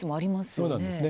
そうなんですね。